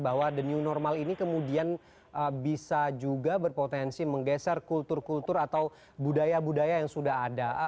bahwa the new normal ini kemudian bisa juga berpotensi menggeser kultur kultur atau budaya budaya yang sudah ada